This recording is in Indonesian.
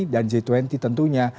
dan j dua puluh tentunya